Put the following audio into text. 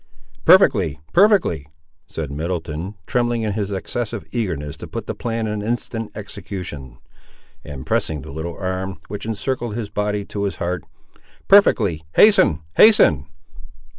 "Perfectly, perfectly," said Middleton, trembling in his excessive eagerness to put the plan in instant execution, and pressing the little arm, which encircled his body, to his heart. "Perfectly. Hasten, hasten."